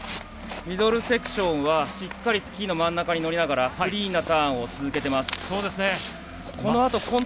ミドルセクションはしっかりスキーの真ん中に乗りながらクリーンなターンを続けています。